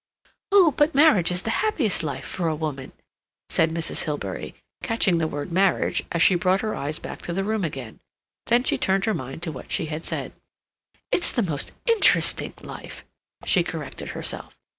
"Oh, but marriage is the happiest life for a woman," said Mrs. Hilbery, catching the word marriage, as she brought her eyes back to the room again. Then she turned her mind to what she had said. "It's the most interesting life," she corrected herself.